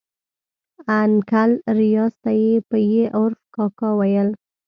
انکل ریاض ته یې په ي عرف کاکا ویل.